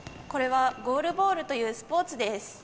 これはゴールボールというスポーツです。